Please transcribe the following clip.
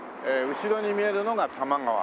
後ろに見えるのが多摩川。